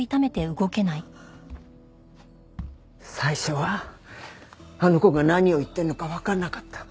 最初はあの子が何を言ってるのかわからなかった。